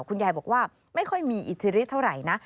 คุณยายบอกว่าไม่ค่อยมีอิทธิฤทเท่าไหร่นะ